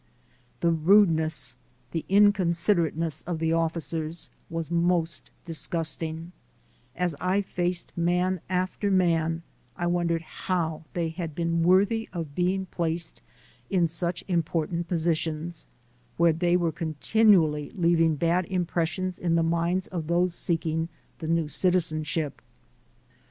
The rudeness, the incon siderateness of the officers was most disgusting; as I BECOME NATURALIZED 199 I faced man after man I wondered how they had been worthy of being placed in such important positions, where they were continually leaving bad impressions in the minds of those seeking the new citizenship.